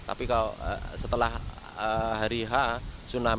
tapi kalau setelah hari h tsunami